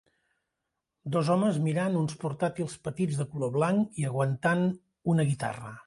Dos homes mirant uns portàtils petits de color blanc i aguantant una guitarra.